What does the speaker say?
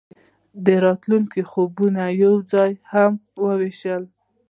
هغوی د ځنګل لاندې د راتلونکي خوبونه یوځای هم وویشل.